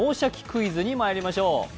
クイズ」にまいりましょう。